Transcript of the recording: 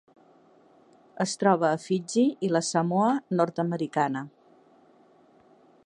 Es troba a Fiji i la Samoa Nord-americana.